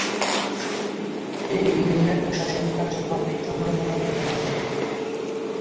এ ইউনিয়নের প্রশাসনিক কার্যক্রম চন্দ্রঘোনা থানার আওতাধীন।